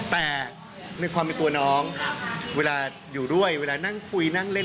แต่ในความเป็นตัวน้องเวลาอยู่ด้วยเวลานั่งคุยนั่งเล่น